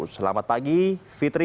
selamat pagi fitri